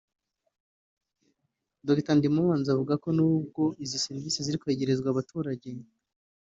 Dr Ndimubanzi avuga ko n’ubwo izi serivise ziri kwegerezwa abaturage